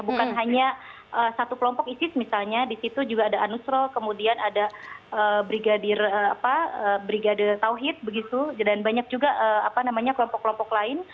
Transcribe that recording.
bukan hanya satu kelompok isis misalnya di situ juga ada anusro kemudian ada brigadir tauhid begitu dan banyak juga kelompok kelompok lain